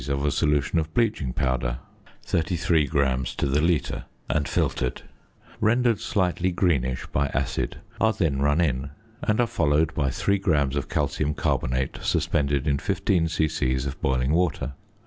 of a solution of bleaching powder (33 grams to the litre and filtered), rendered slightly greenish by acid, are then run in and are followed by 3 grams of calcium carbonate suspended in 15 c.c. of boiling water.